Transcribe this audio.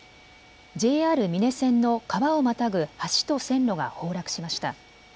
ＪＲ美祢線の川をまたぐ橋と線路が崩落しました。